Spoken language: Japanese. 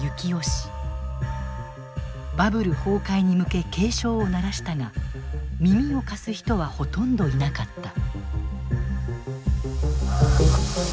バブル崩壊に向け警鐘を鳴らしたが耳を貸す人はほとんどいなかった。